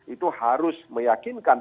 itu harus meyakinkan